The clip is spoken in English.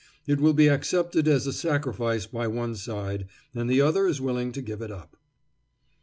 It will be accepted as a sacrifice by one side, and the other is willing to give it up.